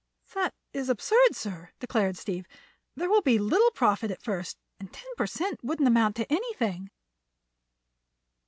"That is absurd, sir," declared Steve. "There will be little profit at first, and ten per cent of it wouldn't amount to anything."